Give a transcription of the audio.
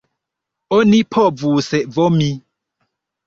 Oni povus vomi.